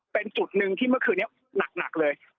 เป็นจุดหนึ่งที่เมื่อคืนนี้หนักเลย